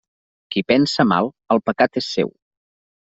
Qui pensa mal, el pecat és seu.